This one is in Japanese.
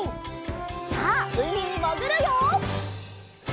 さあうみにもぐるよ！